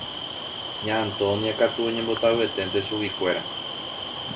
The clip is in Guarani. Ña Antonia katu oñembotavyeténte chuguikuéra.